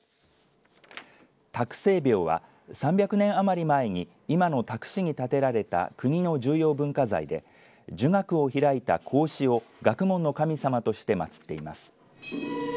多久聖廟は３００年余り前に今の多久市に建てられた国の重要文化財で儒学を開いた孔子を学問の神様として祭っています。